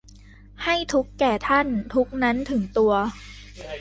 ให้ทุกข์แก่ท่าน ทุกข์นั้นถึงตัว